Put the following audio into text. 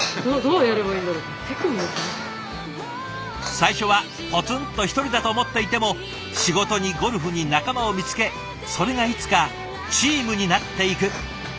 最初はぽつんと１人だと思っていても仕事にゴルフに仲間を見つけそれがいつかチームになっていく。